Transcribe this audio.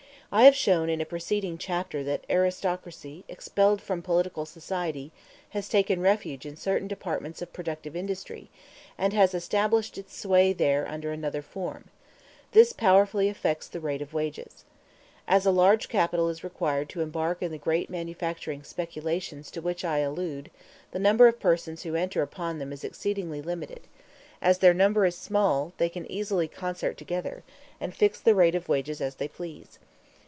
I have shown in a preceding chapter that aristocracy, expelled from political society, has taken refuge in certain departments of productive industry, and has established its sway there under another form; this powerfully affects the rate of wages. As a large capital is required to embark in the great manufacturing speculations to which I allude, the number of persons who enter upon them is exceedingly limited: as their number is small, they can easily concert together, and fix the rate of wages as they please.